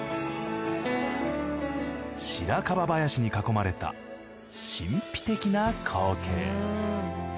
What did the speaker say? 白樺林に囲まれた神秘的な光景。